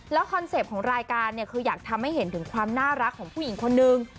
คอนเซ็ปต์ของรายการเนี่ยคืออยากทำให้เห็นถึงความน่ารักของผู้หญิงคนนึง